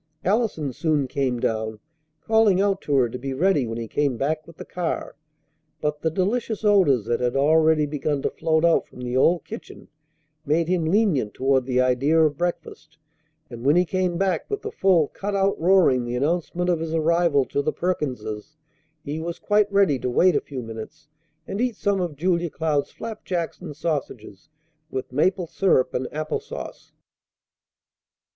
Allison soon came down, calling out to her to be ready when he came back with the car; but the delicious odors that had already begun to float out from the old kitchen made him lenient toward the idea of breakfast; and, when he came back with the full cut out roaring the announcement of his arrival to the Perkinses, he was quite ready to wait a few minutes and eat some of Julia Cloud's flapjacks and sausages with maple syrup and apple sauce.